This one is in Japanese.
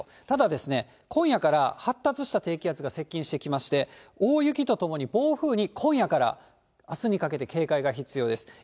ただ、今夜から発達した低気圧が接近してきまして、大雪とともに、暴風に今夜からあすにかけて警戒が必要です。